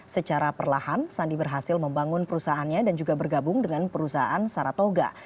secara perlahan sandi berhasil membangun perusahaannya dan juga bergabung dengan perusahaan saratoga